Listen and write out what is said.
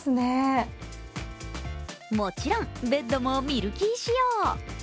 もちろんベッドもミルキー仕様。